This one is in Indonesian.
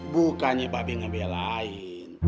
bukannya babe ngebelain